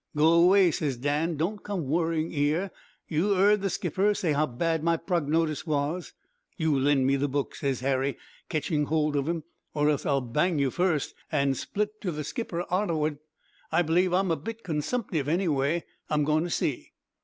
"Go away,' says Dan, 'don't come worrying 'ere; you 'eard the skipper say how bad my prognotice was.' "'You lend me the book,' ses Harry, ketching hold of him, 'or else I'll bang you first, and split to the skipper arterward. I believe I'm a bit consumptive. Anyway, I'm going to see.'